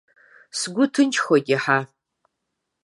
Сгәы ҭынчхоит иаҳа.